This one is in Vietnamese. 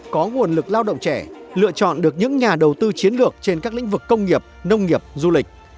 có nguồn lực lao động trẻ lựa chọn được những nhà đầu tư chiến lược trên các lĩnh vực công nghiệp nông nghiệp du lịch